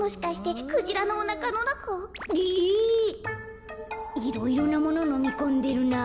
いろいろなもののみこんでるなあ。